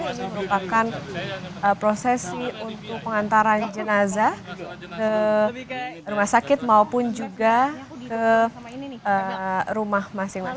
ini merupakan prosesi untuk pengantaran jenazah ke rumah sakit maupun juga ke rumah masing masing